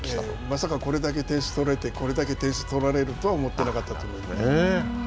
まさかこれだけ点数を取れて、これだけ点数を取られるとは思ってなかったと思います。